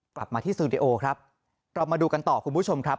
กลับมาที่สตูดิโอครับเรามาดูกันต่อคุณผู้ชมครับ